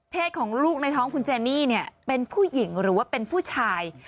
ของลูกในท้องคุณเจนี่เนี่ยเป็นผู้หญิงหรือว่าเป็นผู้ชาย